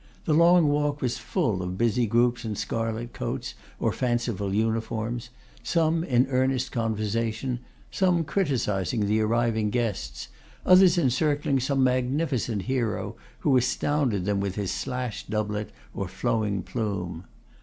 The Long Walk was full of busy groups in scarlet coats or fanciful uniforms; some in earnest conversation, some criticising the arriving guests; others encircling some magnificent hero, who astounded them with his slashed doublet or flowing plume.